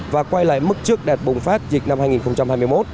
và quay lại mức trước đạt bùng phát dịch năm hai nghìn hai mươi một